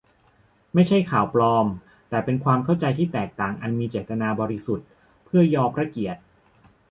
ไม่ใช่ "ข่าวปลอม" แต่เป็น "ความเข้าใจที่แตกต่างอันมีเจตนาบริสุทธิ์เพื่อยอพระเกียรติ"